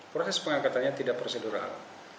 proses pengangkatannya tidak prosedural